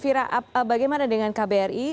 fira bagaimana dengan kbri